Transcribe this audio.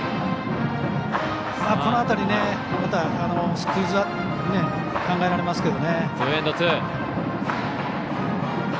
この辺り、またスクイズも考えられますけどね。